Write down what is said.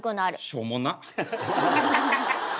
しょうもな！